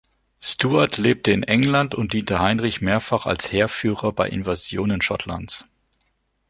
Stewart lebte in England und diente Heinrich mehrfach als Heerführer bei Invasionen Schottlands.